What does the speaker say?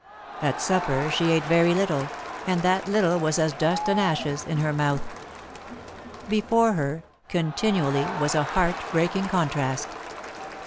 At supper she ate very little, and that little was as dust and ashes in her mouth. [Sidenote: Heartburns] Before her, continually, was a heart breaking contrast.